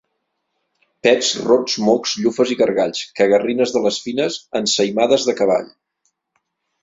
Pets, rots, mocs, llufes i gargalls, cagarrines de les fines, ensaïmades de cavall.